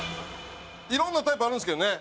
いろんなタイプあるんですけどね